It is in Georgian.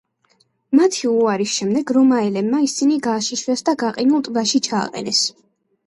მათი უარის შემდეგ რომაელებმა ისინი გააშიშვლეს და გაყინულ ტბაში ჩააყენეს.